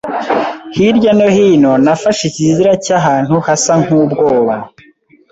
hirya no hino nafashe ikizira cyahantu hasa nkubwoba.